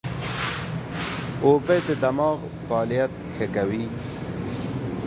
اوبه د دماغ فعالیت ښه کوي